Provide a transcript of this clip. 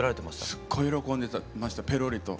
すっごい喜んでましたペロリと。